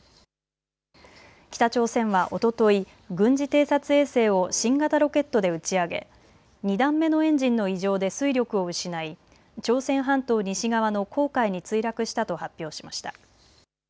北朝鮮はおととい、軍事偵察衛星を新型ロケットで打ち上げ２段目のエンジンの異常で推力を失い朝鮮半島西側の黄海に墜落したと発表しました。